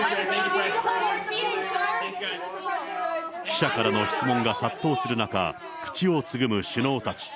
記者からの質問が殺到する中、口をつぐむ首脳たち。